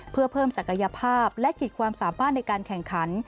เพื่อเพิ่มศักยภาพและขีดความสามารถในการแข่งขัน